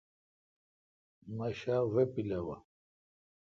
مہ شا وہ پلاوہ۔